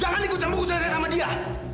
jangan ikut campur kusunan saya sama dia